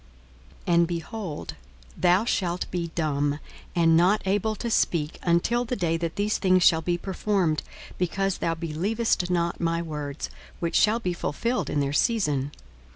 42:001:020 And, behold, thou shalt be dumb, and not able to speak, until the day that these things shall be performed, because thou believest not my words, which shall be fulfilled in their season.